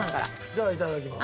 じゃあいただきます。